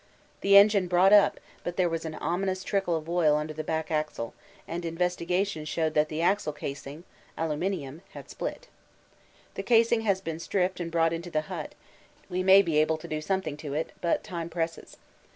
The engine brought up, but there was an ominous trickle of oil under the back axle, and investigation showed that the axle casing (aluminium) had split. The casing has been stripped and brought into the hut; we may be able to do something to it, but time presses.